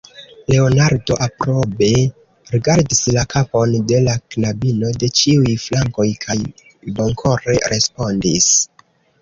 Leonardo aprobe rigardis la kapon de la knabino de ĉiuj flankoj kaj bonkore respondis: